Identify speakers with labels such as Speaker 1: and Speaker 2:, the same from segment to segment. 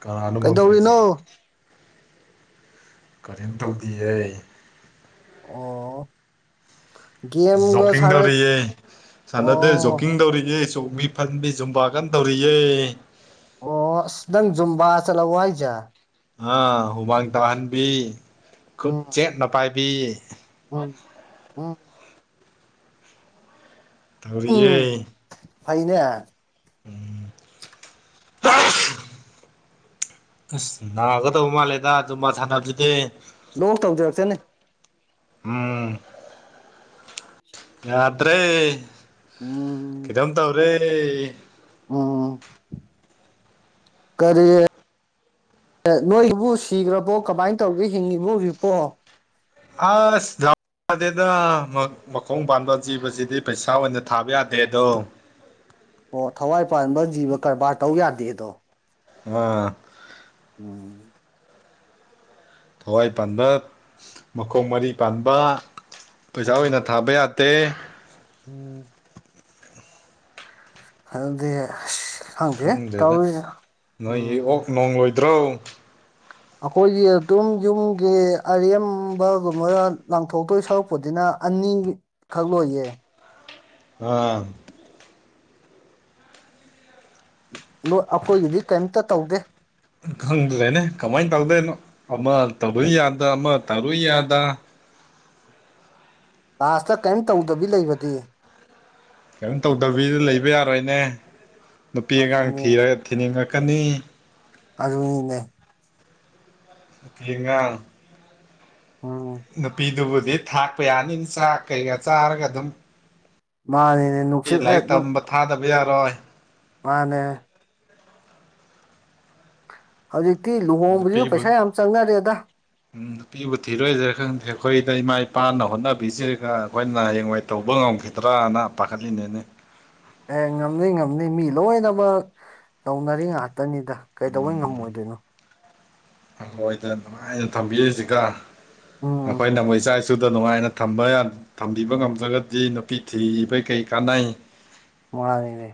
Speaker 1: ꯀꯅꯥꯅꯣ ꯕꯣꯟ ꯇꯥꯔꯤꯁꯦ
Speaker 2: ꯀꯩꯗꯧꯔꯤꯅꯣ
Speaker 1: ꯀꯔꯤꯝ ꯇꯧꯗꯤꯌꯦ
Speaker 2: ꯑꯣ ꯒꯦꯝꯒ
Speaker 1: ꯖꯣꯀꯤꯡ
Speaker 2: ꯁꯥꯟꯅ
Speaker 1: ꯇꯧꯔꯤꯑꯦ ꯁꯥꯅꯗꯦ
Speaker 2: ꯑꯣ
Speaker 1: ꯖꯣꯀꯤꯡ ꯇꯧꯔꯤꯌꯦ ꯐꯟꯕꯤ ꯖꯨꯝꯕꯥ ꯀꯟ ꯇꯧꯔꯤꯌꯦ
Speaker 2: ꯑꯣ ꯑꯁ ꯅꯪ ꯖꯨꯝꯕꯥ ꯆꯠꯂꯕꯣ ꯍꯥꯏꯖꯦ
Speaker 1: ꯑ ꯍꯨꯃꯥꯡ ꯇꯥꯍꯟꯕꯤ ꯈꯨꯠ
Speaker 2: ꯎꯝ
Speaker 1: ꯆꯦꯠꯅ ꯄꯥꯏꯕꯤ
Speaker 2: ꯎꯝ ꯎꯝ ꯎꯝ
Speaker 1: ꯇꯧꯔꯤꯌꯦ
Speaker 2: ꯐꯩꯅꯦ
Speaker 1: [unintelligible] ꯑꯁ ꯅꯥꯒꯗꯧ ꯃꯥꯜꯂꯦꯗ ꯖꯨꯝꯕ ꯁꯥꯟꯅꯕꯖꯤꯗꯤ
Speaker 2: ꯂꯣꯛ ꯇꯧꯖꯔꯛꯆꯅꯤ
Speaker 1: ꯎꯝ ꯌꯥꯗ꯭ꯔꯦ
Speaker 2: ꯎꯝ
Speaker 1: ꯀꯩꯅꯣꯝ ꯇꯧꯔꯦ
Speaker 2: ꯎꯝ ꯀꯔꯤ ꯑꯦ ꯅꯣꯏꯕꯨ ꯁꯤꯈ꯭ꯔꯕꯣ ꯀꯃꯥꯏꯅ ꯇꯧꯒꯦ ꯍꯤꯡꯉꯤꯕ ꯍꯧꯖꯤꯛꯄꯣ
Speaker 1: ꯑꯁ ꯂꯞ ꯌꯥꯗꯦꯗ ꯃꯈꯣꯡ ꯄꯥꯟꯕ ꯖꯤꯕꯁꯤꯗꯤ ꯄꯩꯁꯥ ꯑꯣꯏꯅ ꯊꯥꯕ ꯌꯥꯗꯦ ꯑꯗꯣ
Speaker 2: ꯑꯣ ꯊꯋꯥꯏ ꯄꯥꯟꯕ ꯖꯤꯕ ꯀꯔꯕꯥꯔ ꯇꯧ ꯌꯥꯗꯦꯗꯣ
Speaker 1: ꯑꯥ
Speaker 2: ꯎꯝ
Speaker 1: ꯊꯋꯥꯏ ꯄꯥꯟꯕ ꯃꯈꯣꯡ ꯃꯔꯤ ꯄꯥꯟꯕ ꯄꯩꯁꯥ ꯑꯣꯏꯅ
Speaker 2: ꯎꯝ
Speaker 1: ꯊꯥꯕ ꯌꯥꯗꯦ
Speaker 2: ꯎꯝ ꯑꯗꯨꯗꯤ ꯑꯁ ꯈꯪꯗꯦ ꯇꯧꯔꯤ ꯎꯝ
Speaker 1: ꯅꯣꯡꯂꯣꯏꯗ꯭ꯔꯣ
Speaker 2: ꯑꯈꯣꯏꯒꯤ ꯑꯗꯨꯝ ꯌꯨꯝꯒꯤ ꯑꯔꯦꯝꯕꯒꯨꯝꯕ ꯂꯪꯊꯣꯛꯇꯣꯏ ꯁꯔꯨꯛꯄꯨꯗꯤꯅ ꯑꯅꯤꯈꯛ ꯂꯣꯏꯌꯦ
Speaker 1: ꯍꯥ
Speaker 2: ꯅꯣꯏ ꯑꯩꯈꯣꯏꯒꯤꯗꯤ ꯀꯦꯝꯇ ꯇꯧꯗꯦ
Speaker 1: ꯈꯪꯗ꯭ꯔꯦꯅꯦ ꯀꯃꯥꯏꯅ ꯇꯧꯗꯣꯏꯅꯣ ꯑꯃ ꯇꯧꯔꯨꯏ ꯌꯥꯗ ꯑꯃ ꯇꯧꯔꯨꯏ ꯌꯥꯗ
Speaker 2: ꯂꯥꯁꯇ ꯀꯔꯤꯝ ꯇꯧꯗꯕꯤ ꯂꯩꯕꯗꯤ
Speaker 1: ꯀꯩꯝ ꯇꯧꯗꯕꯤꯗ ꯂꯩꯕ ꯌꯥꯔꯣꯏꯅꯦ ꯅꯨꯄꯤ ꯑꯉꯥꯡ
Speaker 2: ꯑꯗꯨꯅꯤ
Speaker 1: ꯊꯤꯔꯒ ꯊꯤꯅꯤꯡꯉꯛꯀꯅꯤ
Speaker 2: ꯑꯗꯨꯅꯤꯅꯦ
Speaker 1: ꯂꯉꯥꯡ [inaudible]
Speaker 2: ꯑꯣ
Speaker 1: ꯅꯨꯄꯤꯗꯨꯕꯨꯗꯤ ꯊꯥꯛꯄ ꯌꯥꯅꯤ ꯆꯥꯛ ꯀꯩꯀꯥ ꯆꯥꯔꯒ ꯑꯗꯨꯝ
Speaker 2: ꯃꯥꯅꯤꯅꯦ
Speaker 1: ꯑꯩ
Speaker 2: ꯅꯨꯡꯁꯤꯠ ꯑꯦ
Speaker 1: ꯂꯥꯏꯔꯤꯛ ꯇꯝꯕ ꯊꯥꯗꯕ ꯌꯥꯔꯣꯏ
Speaker 2: ꯃꯥꯅꯦ ꯍꯧꯖꯤꯛꯇꯤ ꯂꯨꯍꯣꯡꯕꯁꯤꯁꯨ ꯄꯩꯁꯥ ꯌꯥꯝ ꯆꯪꯅꯔꯦꯗ
Speaker 1: ꯎ ꯅꯨꯄꯤꯕꯨ ꯊꯤꯔꯣꯏꯁꯤꯔꯥ ꯈꯪꯗꯦ ꯑꯩꯈꯣꯏꯗ ꯏꯃꯥ ꯏꯄꯥꯅ ꯍꯣꯠꯅꯕꯤꯁꯤꯒ ꯑꯩꯈꯣꯏꯅ ꯍꯌꯦꯡꯋꯥꯏ ꯇꯧꯕ ꯉꯝꯈꯤꯗ꯭ꯔꯅ ꯄꯥꯈꯠꯂꯤꯅꯤꯅꯤ
Speaker 2: ꯑꯦ ꯉꯝꯅꯤ ꯉꯝꯅꯤ ꯃꯤ ꯂꯣꯏꯅꯃꯛ ꯇꯧꯅꯔꯤ ꯉꯥꯛꯇ ꯇꯅꯤꯗ ꯀꯩꯗꯧꯕꯩ ꯉꯝꯃꯣꯏꯗꯣꯏꯅꯣ
Speaker 1: ꯃꯣꯏꯗ ꯅꯨꯉꯥꯏꯅ ꯊꯝꯕꯤꯔꯤꯁꯤꯒ
Speaker 2: ꯎꯝ
Speaker 1: ꯑꯩꯈꯣꯏꯅꯃꯣꯏ ꯆꯥꯏ ꯀꯛꯆꯨꯗ ꯅꯨꯡꯉꯥꯏꯅ ꯊꯝꯕ ꯊꯝꯕꯤꯕ ꯉꯝꯗ꯭ꯔꯒꯗꯤ ꯅꯨꯄꯤ ꯊꯤꯕꯩ ꯀꯩ ꯀꯥꯟꯅꯩ
Speaker 2: ꯃꯥꯅꯤꯅꯦ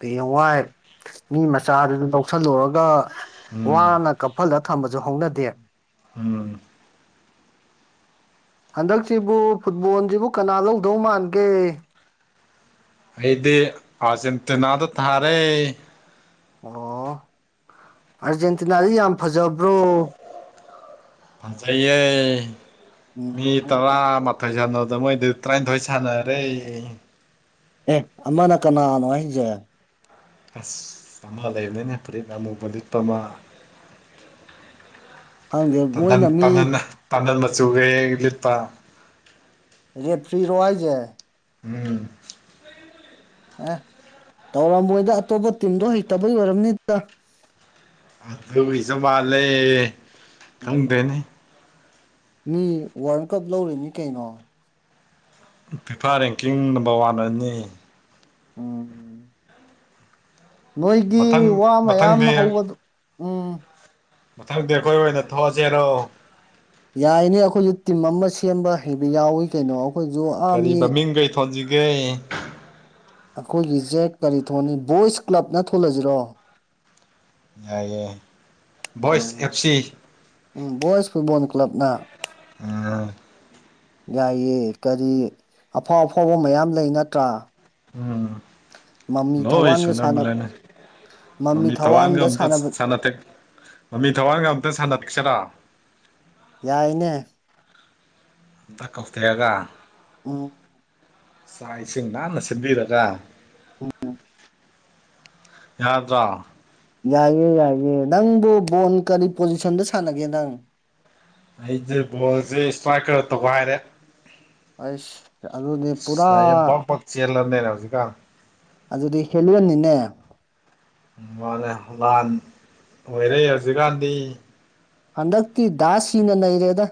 Speaker 2: ꯍꯌꯦꯡꯋꯥꯏ ꯃꯤ ꯃꯆꯥꯗꯨ ꯂꯧꯁꯤꯜꯂꯨꯔꯒ
Speaker 1: ꯎꯝ
Speaker 2: ꯋꯥꯅ ꯀꯞꯐꯜꯂ ꯊꯝꯕꯁꯨ ꯍꯧꯅꯗꯦ
Speaker 1: ꯎꯝ
Speaker 2: ꯍꯟꯗꯛꯁꯤꯕꯨ ꯐꯨꯠꯕꯣꯜꯁꯤꯕꯨ ꯀꯅꯥ ꯂꯧꯗꯧ ꯃꯥꯟꯒꯦ
Speaker 1: ꯑꯩꯗꯤ ꯑꯥꯔꯖꯦꯟꯇꯤꯅꯥꯗ ꯊꯥꯔꯦ
Speaker 2: ꯑꯣ ꯑꯥꯔꯖꯦꯟꯇꯤꯅꯥꯗꯤ ꯌꯥꯝ ꯐꯖꯕ꯭ꯔꯣ
Speaker 1: ꯐꯖꯩꯩ ꯃꯤ
Speaker 2: ꯎꯝ
Speaker 1: ꯇꯔꯥ ꯊꯣꯏ ꯁꯥꯟꯅꯕꯗ ꯃꯣꯏꯗꯤ ꯇꯔꯥꯅꯤꯊꯣꯏ ꯁꯥꯟꯅꯔꯦ
Speaker 2: ꯑꯦ ꯑꯃꯅ ꯀꯅꯥꯅꯣ ꯍꯥꯏꯁꯦ
Speaker 1: ꯑꯁ ꯑꯃ ꯂꯩꯕꯅꯤꯅꯦ ꯐꯨꯔꯤꯠ ꯑꯃꯨꯕ ꯂꯤꯠꯄꯃ
Speaker 2: ꯈꯪꯗꯦ ꯃꯣꯏꯅ ꯃꯤ
Speaker 1: ꯇꯟꯇꯟ ꯃꯆꯨꯒ ꯍꯦꯛ ꯂꯤꯠꯕ
Speaker 2: ꯔꯦꯐ꯭ꯔꯤ ꯔꯣ ꯍꯥꯏꯁꯦ
Speaker 1: ꯎꯝ
Speaker 2: ꯑꯦ ꯇꯧꯔꯃꯣꯏꯗ ꯑꯇꯣꯞꯄ ꯇꯤꯝꯗꯣ ꯍꯩꯇꯕꯩ ꯑꯣꯏꯔꯝꯅꯤꯗ
Speaker 1: ꯑꯗꯨꯒꯤꯁꯨ ꯃꯥꯜꯂꯦ ꯈꯪꯗꯦꯅꯦ
Speaker 2: ꯃꯤ ꯋꯥꯔꯜ ꯀꯞ ꯂꯧꯔꯤꯅꯤ ꯀꯩꯅꯣ
Speaker 1: ꯐꯤꯐꯥ ꯔꯦꯡꯀꯤꯡ ꯅꯝꯕꯔ ꯋꯥꯟ ꯑꯣꯏꯅꯤ
Speaker 2: ꯎꯝ ꯅꯣꯏꯒꯤ
Speaker 1: ꯃꯊꯪ
Speaker 2: ꯋꯥ ꯃꯌꯥꯝ
Speaker 1: ꯃꯊꯪꯗꯤ
Speaker 2: ꯍꯧꯕꯗꯨ ꯎꯝ
Speaker 1: ꯃꯊꯪꯗꯤ ꯑꯩꯈꯣꯏ ꯑꯣꯏꯅ ꯊꯣꯛꯑꯁꯤꯔꯣ
Speaker 2: ꯌꯥꯏꯅꯦ ꯑꯩꯈꯣꯏꯁꯨ ꯇꯤꯝ ꯑꯃ ꯁꯦꯝꯕ ꯍꯩꯕ ꯌꯥꯎꯏ ꯀꯩꯅꯣ ꯎꯖ [inaudible]
Speaker 1: ꯀꯔꯤ ꯃꯃꯤꯡ ꯀꯩ ꯊꯣꯟꯁꯤꯒꯦ
Speaker 2: ꯑꯩꯈꯣꯏꯒꯤꯁꯦ ꯀꯔꯤ ꯊꯣꯟꯅꯤ ꯕꯣꯏꯁ ꯀ꯭ꯂꯕꯅ ꯊꯣꯜꯂꯁꯤꯔꯣ
Speaker 1: ꯌꯥꯏꯑꯦ ꯚꯣꯏꯁ
Speaker 2: ꯎꯝ
Speaker 1: ꯑꯦꯞ ꯁꯤ
Speaker 2: ꯎꯝ ꯕꯣꯏꯁ ꯐꯨꯠꯕꯣꯟ ꯀ꯭ꯂꯕꯅ
Speaker 1: ꯎꯝ
Speaker 2: ꯌꯥꯏꯌꯦ ꯀꯔꯤ ꯑꯐꯥꯎ ꯑꯐꯥꯎꯕ ꯃꯌꯥꯝ ꯂꯩ ꯅꯠꯇ꯭ꯔꯥ
Speaker 1: ꯎꯝ
Speaker 2: ꯃꯃꯤ
Speaker 1: ꯂꯣꯏ
Speaker 2: ꯊꯋꯥꯟꯒ ꯁꯥꯟꯅ
Speaker 1: ꯁꯨꯨꯅꯕꯅꯤꯅꯦ ꯃꯃꯤ ꯊꯋꯥꯟꯒ
Speaker 2: ꯊꯋꯥꯟꯗ
Speaker 1: ꯑꯝꯇ
Speaker 2: ꯁꯥꯟꯅꯕ
Speaker 1: ꯁꯥꯟꯅ ꯃꯃꯤ ꯊꯋꯥꯟꯒ ꯑꯝꯇ ꯁꯥꯟꯅ ꯊꯣꯛꯁꯤꯔꯥ
Speaker 2: ꯌꯥꯏꯅꯦ
Speaker 1: ꯑꯝꯇ ꯀꯧꯊꯔꯒ [inaudible]
Speaker 2: ꯎ
Speaker 1: ꯆꯥꯛ ꯏꯁꯤꯡ ꯅꯥꯟꯅ ꯁꯤꯟꯕꯤꯔꯒ ꯌꯥꯗ꯭ꯔ
Speaker 2: ꯌꯥꯏꯌꯦ ꯌꯥꯏꯌꯦ ꯅꯪꯕꯨ ꯕꯣꯟ ꯀꯔꯤ ꯄꯣꯖꯤꯁꯟꯗ ꯁꯥꯟꯅꯒꯦ ꯅꯪ
Speaker 1: ꯑꯩꯁꯦ ꯕꯣꯜꯁꯦ ꯏꯁꯇ꯭ꯔꯥꯏꯛꯀꯔ ꯇꯧꯒꯥꯏꯔꯦ
Speaker 2: ꯑꯁ
Speaker 1: ꯑꯁ ꯂꯥꯏꯌ ꯄ꯭ꯔꯛ ꯄ꯭ꯔꯛ ꯆꯦꯜꯂꯕꯅꯤꯅ ꯍꯧꯖꯤꯀꯥꯜ
Speaker 2: ꯑꯗꯨꯗꯤ ꯍꯦꯂꯅꯤꯅꯦ
Speaker 1: ꯃꯥꯅꯦ ꯂꯥꯟ ꯑꯣꯏꯔꯦ ꯍꯧꯖꯤꯛꯀꯥꯟꯗꯤ
Speaker 2: ꯍꯟꯗꯛ ꯇꯤ ꯗꯥꯁ ꯁꯤ ꯅ ꯅꯩꯔꯦꯗ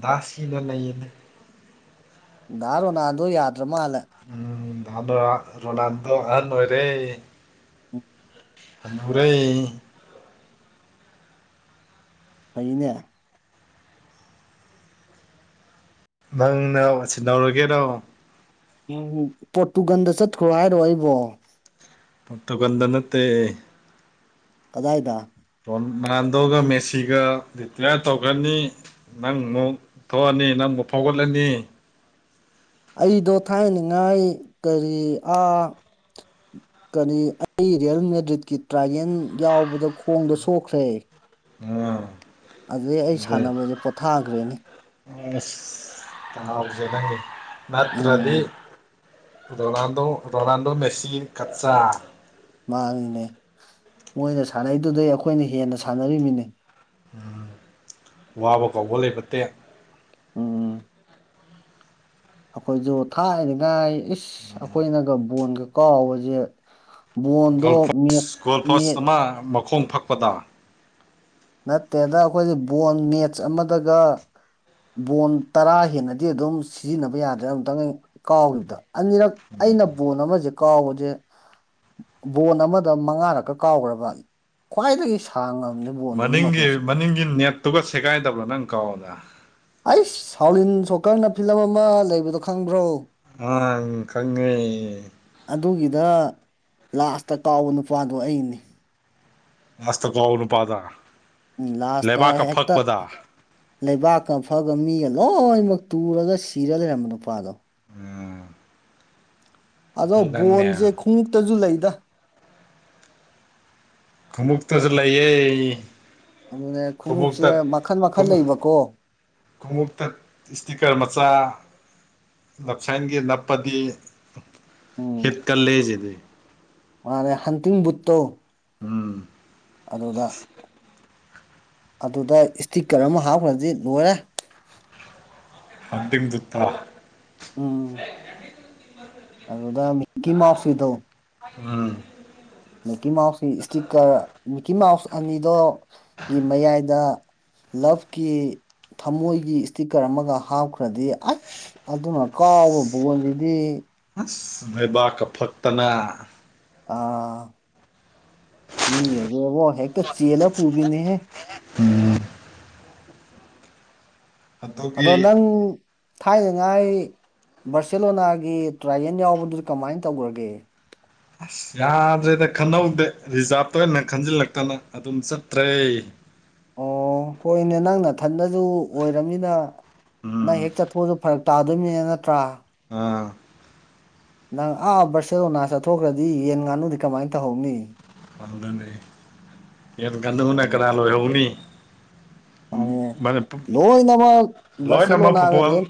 Speaker 1: ꯗꯥꯁꯁꯤꯅ ꯂꯩꯌꯦꯅꯦ
Speaker 2: ꯗꯥ ꯔꯣꯟꯥꯜꯗꯣ ꯌꯥꯗ꯭ꯔ ꯃꯥꯂꯦ
Speaker 1: ꯎ ꯔꯣ ꯔꯣꯅꯥꯜꯗꯣ ꯑ ꯑꯣꯏꯔꯦ
Speaker 2: ꯎꯝ
Speaker 1: ꯍꯅꯨꯔꯥꯦ
Speaker 2: ꯐꯩꯅꯦ
Speaker 1: ꯅꯪꯅ ꯁꯤꯟꯍꯧꯔꯒꯦꯔꯣ
Speaker 2: ꯎꯝ ꯄꯣꯔꯇꯨꯒꯥꯟꯗ ꯆꯠꯈ꯭ꯔꯣ ꯍꯥꯏꯔꯣ ꯑꯩꯕꯣ
Speaker 1: ꯄꯣꯔꯇꯨꯒꯜ ꯗ ꯅꯠꯇꯦ
Speaker 2: ꯀꯗꯥꯏꯗꯥ
Speaker 1: ꯔꯣꯟꯜꯗꯣꯚ ꯃꯦꯁꯤꯒ ꯔꯤꯇꯤꯌꯥꯔ ꯇꯧꯈꯅꯤ ꯅꯪ ꯑꯃꯨꯛ ꯊꯣꯛꯑꯅꯤ ꯅꯪ ꯑꯃꯨꯛ ꯐꯥꯎꯒꯠꯂꯅꯤ
Speaker 2: ꯑꯩꯗꯣ ꯊꯥꯏꯅꯉꯥꯏ ꯀꯔꯤ ꯑꯥ ꯀꯅꯤ ꯑꯩ ꯔꯤꯌꯦꯜ ꯃꯦꯗ꯭ꯔꯤꯠꯀꯤ ꯇ꯭ꯔꯥꯒꯦꯟ ꯌꯥꯎꯕꯗ ꯈꯣꯡꯗ ꯁꯣꯛꯈ꯭ꯔꯦ
Speaker 1: ꯉ
Speaker 2: ꯑꯗꯨꯗꯩ ꯑꯩ ꯁꯥꯟꯅꯕꯁꯦ ꯄꯣꯊꯥꯈ꯭ꯔꯦꯅꯤ
Speaker 1: [unintelligible] ꯅꯠꯇ꯭ꯔꯗꯤ
Speaker 2: ꯎꯝ
Speaker 1: ꯔꯣꯅꯥꯜꯗꯣ ꯔꯣꯅꯥꯜꯗꯣ ꯃꯦꯁꯤ ꯀꯠꯆꯥ
Speaker 2: ꯃꯥꯅꯤꯅꯦ ꯃꯣꯏꯅ ꯁꯥꯟꯅꯩꯗꯨꯗꯩ ꯑꯩꯈꯣꯏꯅ ꯍꯦꯟꯅ ꯁꯥꯟꯅꯔꯤꯃꯤꯅꯤꯅꯦ
Speaker 1: ꯋꯥꯕ ꯀꯧꯕ ꯂꯩꯕ ꯇꯦ
Speaker 2: ꯎꯝ ꯑꯩꯈꯣꯏꯁꯨ ꯊꯥꯏꯅꯉꯥꯏ ꯏꯁ ꯑꯩꯈꯣꯏꯅꯒ ꯕꯣꯟꯒ ꯀꯥꯎꯕꯁꯦ ꯕꯣꯟꯗ ꯃꯦꯞ ꯅꯦꯠ
Speaker 1: [inaudible] ꯈꯣꯡ ꯐꯛꯄꯗ
Speaker 2: ꯅꯠꯇꯦꯗ ꯑꯩꯈꯣꯏꯁꯦ ꯕꯣꯜ ꯃꯦꯠꯆ ꯑꯃꯗꯒ ꯕꯣꯟ ꯇꯔꯥ ꯍꯦꯟꯅꯗꯤ ꯑꯗꯨꯝ ꯁꯤꯖꯤꯟꯅꯕ ꯌꯥꯗ꯭ꯔꯦ ꯑꯃꯝꯨꯇꯪ ꯑꯩ ꯀꯥꯎꯔꯤꯕꯗ ꯑꯅꯤꯔꯛ ꯑꯩꯅ ꯕꯣꯟ ꯑꯃꯁꯦ ꯀꯥꯎꯕꯁꯦ ꯕꯣꯟ ꯑꯃꯗ ꯃꯉꯥꯔꯛꯀ ꯀꯥꯎꯈ꯭ꯔꯕ ꯈ꯭ꯋꯥꯏꯗꯒꯤ ꯁꯥꯡꯉꯝꯅꯤ
Speaker 1: ꯃꯅꯤꯡꯒꯤ ꯃꯅꯤꯡꯒꯤ ꯅꯦꯠꯇꯨꯒ ꯁꯦꯒꯥꯏꯗꯕ꯭ꯔꯣ ꯅꯪ ꯀꯥꯎꯕꯗ
Speaker 2: ꯑꯩꯁ ꯁꯥꯎꯂꯤꯟ ꯁꯣꯀꯔꯅ ꯐꯤꯂꯝ ꯑꯃ ꯂꯩꯕꯗꯣ ꯈꯪꯕ꯭ꯔꯣ
Speaker 1: ꯑ ꯈꯪꯉꯦ
Speaker 2: ꯑꯗꯨꯒꯤꯗ ꯂꯥꯁꯇ ꯀꯥꯎꯕ ꯅꯨꯄꯥꯗꯣ ꯑꯩꯅꯤ
Speaker 1: ꯃꯁꯇ ꯀꯥꯎꯕ ꯅꯨꯄꯥꯗ
Speaker 2: ꯎꯝ ꯂꯥꯁꯇ
Speaker 1: ꯂꯩꯕꯥꯛꯀ
Speaker 2: ꯍꯦꯛꯇ
Speaker 1: ꯐꯛꯄꯗ
Speaker 2: ꯂꯩꯕꯥꯛꯀ ꯐꯛ ꯑ ꯒ ꯃꯤꯒ ꯂꯣꯏꯅꯃꯛ ꯇꯨꯔꯒ ꯁꯤꯔ ꯂꯩꯔꯝꯕ ꯅꯨꯄꯥꯗꯣ
Speaker 1: ꯎꯝ
Speaker 2: ꯑꯗꯣ ꯕꯣꯟꯁꯦ ꯈꯣꯡꯎꯇꯁꯨ ꯂꯩꯗ
Speaker 1: ꯈꯉꯨꯞꯇꯁꯨ ꯂꯩꯌꯦ
Speaker 2: ꯑꯗꯨꯅꯦ ꯈꯨꯉꯨꯞꯁꯦ
Speaker 1: ꯈꯣꯡꯎꯞꯇ
Speaker 2: ꯃꯈꯜ ꯃꯈꯜ ꯂꯩꯕꯀꯣ
Speaker 1: ꯈꯣꯡꯎꯞꯇ ꯏꯁꯇꯤꯀꯔ ꯃꯆꯥ ꯂꯞꯁꯥꯡꯒꯤ ꯅꯞꯄꯗꯤ ꯍꯤꯠ
Speaker 2: ꯎꯝ
Speaker 1: ꯒꯥꯜꯂꯦ ꯍꯥꯢꯖꯤꯅꯤ
Speaker 2: ꯃꯥꯅꯦ ꯍꯥꯟꯇꯤꯡ ꯄꯨꯠꯇꯣ
Speaker 1: ꯎꯝ
Speaker 2: ꯑꯗꯨꯗ ꯑꯗꯨꯗ ꯏꯁꯇꯤꯛꯀꯔ ꯑꯃ ꯍꯥꯞꯈ꯭ꯔꯗꯤ ꯂꯣꯏꯔꯦ
Speaker 1: ꯍꯥꯟꯇꯤꯡ ꯄꯨꯠꯇꯣ
Speaker 2: ꯎꯝ ꯑꯗꯨꯗ ꯃꯤꯛꯀꯤ ꯃꯥꯞꯁ ꯒꯤꯗꯣ
Speaker 1: ꯎꯝ
Speaker 2: ꯃꯤꯛꯀꯤ ꯃꯥꯎꯁꯀꯤ ꯏꯁꯇꯤꯛꯀꯔ ꯃꯤꯛꯀꯤ ꯃꯥꯎꯁ ꯑꯅꯤꯗꯨ ꯒꯤ ꯃꯌꯥꯏꯗ ꯂꯞꯀꯤ ꯊꯃꯣꯏꯒꯤ ꯏꯁꯇꯤꯛꯀꯔ ꯑꯃꯒ ꯍꯥꯞꯈ꯭ꯔꯗꯤ ꯑꯁ ꯑꯗꯨꯅ ꯀꯥꯎꯕ ꯕꯣꯟꯁꯤꯗꯤ
Speaker 1: ꯑꯁ ꯂꯩꯕꯥꯛꯒ ꯐꯛꯇꯅ
Speaker 2: ꯑꯥ ꯃꯤꯒꯤ ꯑꯗꯨꯕꯣ ꯍꯦꯛꯇ ꯆꯦꯜꯂ ꯄꯨꯕꯤꯅꯦꯍꯦ
Speaker 1: ꯎꯝ
Speaker 2: ꯑꯗꯣ
Speaker 1: ꯑꯗꯨꯒꯤ
Speaker 2: ꯅꯪ ꯊꯥꯏꯅꯉꯥꯏ ꯕꯥꯔꯁꯦꯂꯣꯅꯥꯒꯤ ꯇ꯭ꯔꯥꯌꯦꯟ ꯌꯥꯎꯕꯗꯨꯗꯤ ꯀꯃꯥꯏꯅ ꯇꯧꯈ꯭ꯔꯒꯦ
Speaker 1: ꯑꯁ ꯌꯥꯗ꯭ꯔꯦꯗ ꯈꯟꯅꯍꯧꯗꯦ ꯔꯤꯖꯥꯕꯇ ꯑꯣꯏꯅ ꯈꯟꯖꯤꯜꯂꯛꯇꯅ ꯑꯗꯨꯝ ꯆꯠꯇ꯭ꯔꯦ
Speaker 2: ꯑꯣ ꯍꯣꯏꯅꯦ ꯅꯪ ꯅꯊꯟꯗꯁꯨ ꯑꯣꯏꯔꯕꯅꯤꯅ ꯅꯪ
Speaker 1: ꯎꯝ
Speaker 2: ꯍꯦꯛ ꯆꯠꯊꯣꯛꯑꯁꯨ ꯐꯔꯛ ꯇꯥꯗꯣꯏꯅꯤꯅꯦ ꯅꯠꯇ꯭ꯔꯥ
Speaker 1: ꯑꯥ
Speaker 2: ꯅꯪ ꯑꯥ ꯕꯔꯁꯦꯂꯣꯅꯥ ꯆꯠꯊꯣꯛꯈ꯭ꯔꯗꯤ ꯌꯦꯟ ꯉꯥꯅꯨꯗꯤ ꯀꯃꯥꯏꯅ ꯇꯧꯍꯧꯅꯤ
Speaker 1: ꯌꯦꯟ ꯉꯥꯅꯨꯅ ꯀꯅꯥꯥ ꯂꯣꯏꯍꯧꯎꯅꯤ
Speaker 2: ꯃꯥꯅꯦ ꯂꯣꯏꯅꯃꯛ
Speaker 1: ꯂꯣꯏꯅꯃꯛ
Speaker 2: ꯕꯥꯔꯁꯦꯂꯣꯅꯥꯒ
Speaker 1: ꯐꯨꯠꯕꯜ
Speaker 2: ꯔꯦꯟ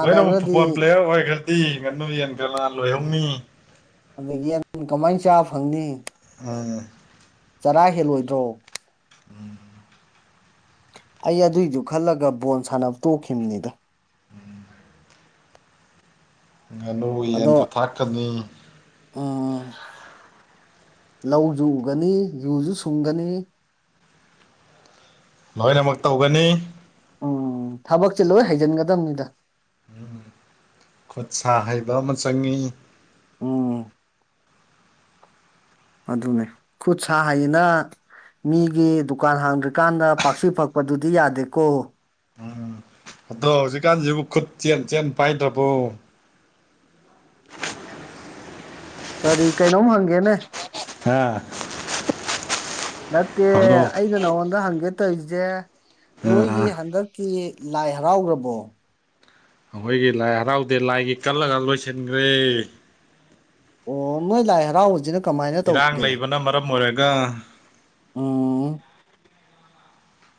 Speaker 1: ꯂꯣꯏꯅꯃꯛ ꯐꯨꯠꯕꯣꯜ ꯄ꯭ꯂꯦꯌꯔ ꯑꯣꯏꯈ꯭ꯔꯗꯤ ꯉꯥꯅꯨ ꯌꯦꯟꯗꯤ ꯀꯅꯥ ꯂꯣꯏꯍꯧꯅꯤ
Speaker 2: ꯑꯗꯒꯤ ꯀꯃꯥꯏꯅ ꯆꯥꯕ ꯐꯪꯅꯤ
Speaker 1: ꯃꯥꯅꯦ
Speaker 2: ꯆꯔꯥ ꯍꯦꯜꯂꯣꯏꯗ꯭ꯔꯣ
Speaker 1: ꯎꯝ
Speaker 2: ꯑꯩ ꯑꯗꯨꯏꯗꯨ ꯈꯜꯂꯒ ꯕꯣꯜ ꯁꯥꯟꯅꯕ ꯇꯣꯛꯈꯤꯕꯅꯤꯗ
Speaker 1: ꯉꯥꯅꯨ ꯌꯦꯟꯗ ꯊꯥꯛꯀꯅꯤ
Speaker 2: ꯎꯥ ꯂꯧꯁꯨ ꯎꯒꯅꯤ ꯌꯨꯖꯨ ꯁꯨꯡꯒꯅꯤ
Speaker 1: ꯂꯣꯏꯅꯃꯛ ꯇꯧꯒꯅꯤ
Speaker 2: ꯎꯝ ꯊꯕꯛꯁꯦ ꯂꯣꯏ ꯍꯩꯖꯤꯟꯒꯗꯕꯅꯤꯗ
Speaker 1: ꯎ ꯈꯨꯠ ꯁꯥ ꯍꯩꯕ ꯑꯃ ꯆꯪꯉꯤ
Speaker 2: ꯑꯝ ꯑꯗꯨꯅꯦ ꯈꯨꯠ ꯁꯥ ꯍꯩꯅ ꯃꯤꯒꯤ ꯗꯨꯀꯥꯟ ꯍꯥꯡꯗ꯭ꯔꯤꯀꯥꯟꯗ ꯄꯥꯛꯁꯤ ꯐꯛꯄꯗꯨꯗꯤ ꯌꯥꯗꯦꯀꯣ
Speaker 1: ꯑꯗꯣ ꯍꯧꯖꯤꯛꯀꯥꯟꯁꯤꯕꯨ ꯈꯨꯠ ꯆꯦꯟ ꯆꯦꯟ ꯄꯥꯏꯗ꯭ꯔꯕꯣ
Speaker 2: ꯀꯔꯤ ꯀꯩꯅꯣꯝ ꯍꯪꯒꯦꯅꯦ
Speaker 1: ꯍꯥꯥ
Speaker 2: ꯅꯠꯇꯦ
Speaker 1: ꯍꯪꯉꯣ
Speaker 2: ꯑꯩꯅ ꯅꯉꯣꯟꯗ ꯍꯪꯒꯦ ꯇꯧꯔꯤꯁꯦ ꯅꯣꯏꯒꯤ
Speaker 1: ꯑꯥ
Speaker 2: ꯍꯟꯗꯛꯀꯤ ꯂꯥꯏ ꯍꯔꯥꯎꯈ꯭ꯔꯕꯣ
Speaker 1: ꯑꯩꯈꯣꯏꯒꯤ ꯂꯥꯏ ꯍꯔꯥꯎꯗꯦ ꯂꯥꯏꯒꯤ ꯀꯜꯂꯒ ꯂꯣꯏꯁꯤꯟꯈ꯭ꯔꯦ
Speaker 2: ꯑꯣ ꯃꯣꯢ ꯂꯥꯢ ꯍꯔꯥꯎꯕꯖꯤꯅ
Speaker 1: ꯏꯔꯥꯡ ꯂꯩꯕꯅ ꯃꯔꯝ ꯑꯣꯏꯔꯒ
Speaker 2: ꯑꯥꯝ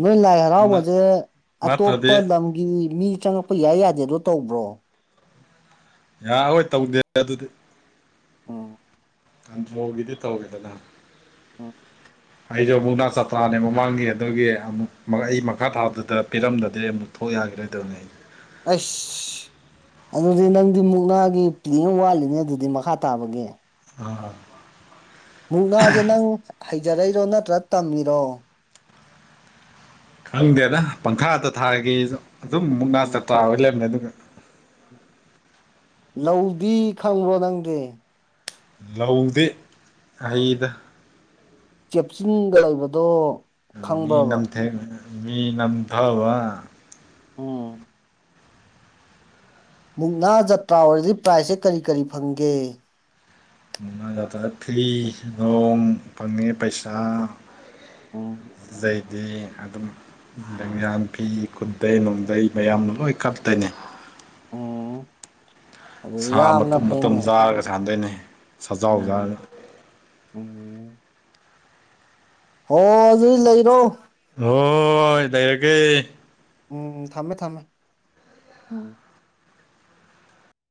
Speaker 2: ꯅꯣꯏ ꯂꯥꯏ ꯍꯔꯥꯎꯕꯁꯦ
Speaker 1: ꯅꯠꯇ꯭ꯔꯗꯤ
Speaker 2: ꯑꯇꯣꯞꯄ ꯂꯝꯒꯤ ꯃꯤ ꯆꯪꯉꯛꯄ ꯌꯥꯏ ꯌꯥꯗꯦꯗꯣ ꯇꯧꯕ꯭ꯔꯣ
Speaker 1: ꯌꯥꯔꯔꯣꯢ ꯇꯧꯗꯦ ꯑꯗꯨꯗꯤ
Speaker 2: ꯑꯣ
Speaker 1: ꯑꯥꯟꯗꯔꯣ ꯒꯤꯗꯤ ꯇꯧꯋꯤꯗꯅ
Speaker 2: ꯎꯝ
Speaker 1: ꯑꯩꯁꯨ ꯃꯨꯛꯅꯥ ꯆꯄ꯭ꯔꯥꯅꯦ ꯃꯃꯥꯡꯒꯤ ꯑꯗꯨꯒꯤ ꯑꯃꯨꯛ ꯑꯩ ꯃꯈꯥ ꯊꯥꯗꯨꯗ ꯄꯤꯔꯝꯗꯗꯦ ꯑꯃꯨꯛ ꯊꯣꯛ ꯌꯥꯈꯤꯔꯣꯏꯗꯕꯅꯤ ꯑꯩ
Speaker 2: ꯑꯁ ꯑꯗꯨꯗꯤ ꯅꯪꯗꯤ ꯃꯨꯛꯅꯥꯒꯤ ꯄ꯭꯭ꯂꯦꯡ ꯋꯥꯠꯂꯤꯅꯦ ꯑꯗꯨꯗꯤ ꯃꯈꯥ ꯇꯥꯕꯒꯤ꯫
Speaker 1: [unintelligible]
Speaker 2: ꯃꯨꯛꯅꯥꯁꯦ ꯅꯪ ꯍꯩꯖꯔꯛꯏꯔꯣ ꯅꯠꯇ꯭ꯔ ꯇꯝꯃꯤꯔꯣ?
Speaker 1: ꯈꯪꯗꯦꯗ ꯄꯪꯈꯥꯗ ꯊꯥꯒꯤꯁꯨ ꯑꯗꯨꯝ ꯃꯨꯛꯅꯥ
Speaker 2: ꯎꯝ
Speaker 1: ꯆꯞꯇꯥ꯭ꯔꯥꯔꯣꯏ ꯂꯩꯔꯕꯅꯦ ꯑꯗꯨꯒ
Speaker 2: ꯂꯧꯗꯤ ꯈꯪꯕ꯭ꯔꯣ ꯅꯪꯗꯤ
Speaker 1: ꯂꯧꯗꯦ ꯑꯩꯗ
Speaker 2: ꯆꯦꯞꯆꯤꯟꯒ ꯂꯩꯕꯗꯣ
Speaker 1: ꯃꯤ
Speaker 2: ꯈꯪꯕ꯭ꯔꯕ
Speaker 1: ꯅꯝꯊꯦꯡ ꯃꯤ ꯅꯝꯊꯕ
Speaker 2: ꯎꯝ ꯃꯨꯛꯅꯥ ꯖꯇ꯭ꯔꯥ ꯑꯣꯏꯔꯗꯤ ꯄ꯭ꯔꯥꯏꯖꯁꯦ ꯀꯔꯤ ꯀꯔꯤ ꯐꯪꯒꯦ
Speaker 1: ꯃꯅꯗ꯭ꯔ ꯐ꯭ꯔꯤ ꯅꯣꯡ ꯐꯪꯉꯅꯤ ꯄꯩꯁ
Speaker 2: ꯎꯝ
Speaker 1: [unintelligible] ꯑꯗꯤ ꯑꯗꯨꯝ ꯂꯩꯌꯥꯟ ꯐꯤ ꯈꯨꯗꯩ ꯅꯨꯡꯗꯩ ꯃꯌꯥꯝꯅ ꯂꯣꯏ ꯀꯞꯇꯅꯤ꯫
Speaker 2: ꯎꯝ ꯑꯗꯨꯗꯤ
Speaker 1: ꯁꯥ
Speaker 2: ꯌꯥꯝꯅ
Speaker 1: ꯃꯇꯨꯝ
Speaker 2: ꯐꯩꯅꯦ
Speaker 1: ꯃꯇꯝꯨꯝ ꯆꯥꯔꯒ ꯁꯥꯟꯗꯣꯏꯅꯤ ꯁꯖꯥꯎ ꯆꯥꯔꯒ
Speaker 2: ꯎꯝ ꯎꯝ ꯍꯣꯏ ꯑꯗꯨ ꯂꯩꯔꯣ
Speaker 1: ꯍꯣꯏ ꯂꯩꯔꯒꯦ꯫
Speaker 2: ꯎꯝ ꯊꯝꯃꯦ ꯊꯝꯃꯦ ꯎꯝ